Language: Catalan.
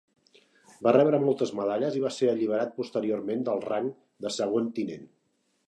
Va rebre moltes medalles i va ser alliberat posteriorment del rang de segon tinent.